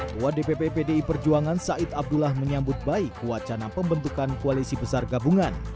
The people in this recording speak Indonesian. tua dpp pdi perjuangan said abdullah menyambut baik wacana pembentukan koalisi besar gabungan